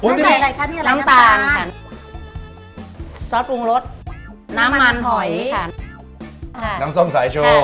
นี่ใส่อะไรคะนี่อะไรค่ะน้ำตาลน้ำตาลค่ะซอสปรุงรสน้ำมันหอยค่ะน้ำส้มสายชู